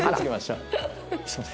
すいません。